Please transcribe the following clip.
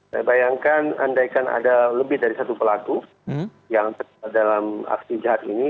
saya bayangkan andaikan ada lebih dari satu pelaku yang dalam aksi jahat ini